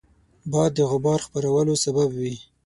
باد د غبار خپرولو سبب وي